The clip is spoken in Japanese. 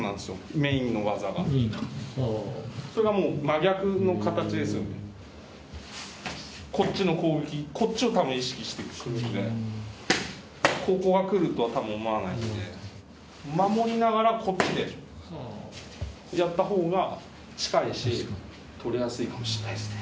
メインの技がそれがもうこっちの攻撃こっちをたぶん意識してくるんでここはくるとはたぶん思わないんで守りながらこっちでやったほうが近いしとりやすいかもしんないですね